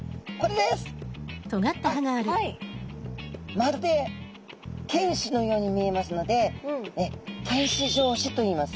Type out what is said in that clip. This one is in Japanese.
まるで犬歯のように見えますので犬歯状歯といいます。